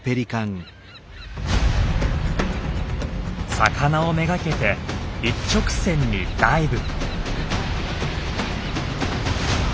魚を目がけて一直線にダイブ。